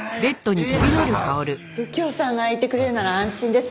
右京さんがいてくれるなら安心です。